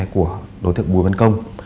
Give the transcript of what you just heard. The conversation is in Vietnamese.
của đối tượng bùi văn công